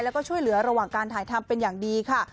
แล้วก็ช่วยเหลือระหว่างการถ่ายทำเป็นอย่างดีค่ะ